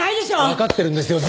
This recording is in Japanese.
わかってるんですよ。